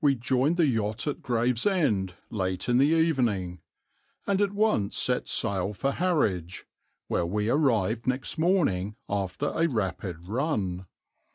"We joined the yacht at Gravesend late in the evening, and at once set sail for Harwich, where we arrived next morning after a rapid run.